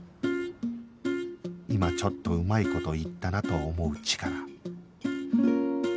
今ちょっとうまい事言ったなと思うチカラ